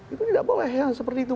itu tidak boleh ya seperti itu